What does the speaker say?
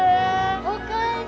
おかえり！